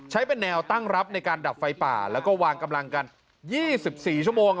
ใช้เป็นแนวตั้งรับในการดับไฟป่าแล้วก็วางกำลังกัน๒๔ชั่วโมง